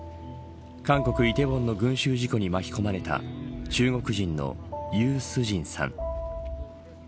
韓国、梨泰院の群衆事故に巻き込まれた中国人の、ユ・スジンさん。